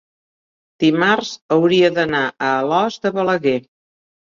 dimarts hauria d'anar a Alòs de Balaguer.